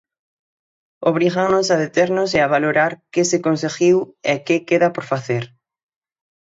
Obrígannos a deternos e a valorar que se conseguiu e que queda por facer.